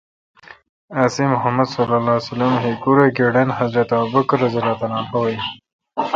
اسے°محمدؐہیکوراے° گڑن حضرت ابوبکؓر این